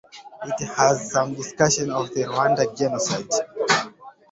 It has some discussion of the Rwandan genocide.